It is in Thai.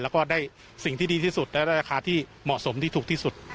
แล้วก็ได้สิ่งที่ดีที่สุดและได้ราคาที่เหมาะสมที่ถูกที่สุด